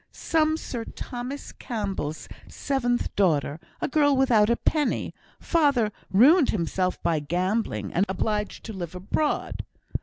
Some Sir Thomas Campbell's seventh daughter: a girl without a penny; father ruined himself by gambling, and obliged to live abroad.